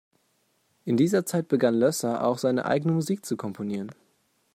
In dieser Zeit begann Loesser auch seine eigene Musik zu komponieren.